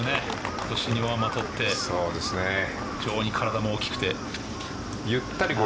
今年、日本アマも取って非常に体も大きくて。